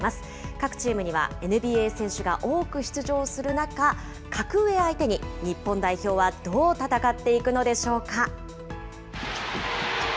各チームにはＮＢＡ選手が多く出場する中、格上相手に日本代表はどう戦っていくのでしょうか。